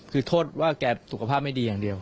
คือโทษว่าแกสุขภาพไม่ดีอย่างเดียว